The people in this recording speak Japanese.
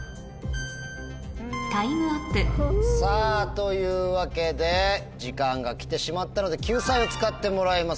というわけで時間がきてしまったので救済を使ってもらいます。